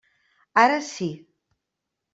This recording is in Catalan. Ara sí.